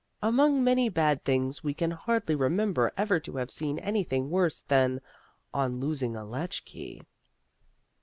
Among many bad things we can hardly remember ever to have seen anything worse than "On Losing a Latchkey."